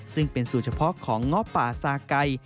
ซึ่งเป็นสูตรเฉพาะของเงาะป่าซาไก่